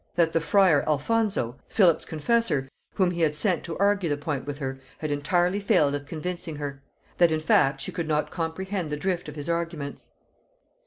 That the friar Alphonso, Philip's confessor, whom he had sent to argue the point with her, had entirely failed of convincing her; that in fact she could not comprehend the drift of his arguments.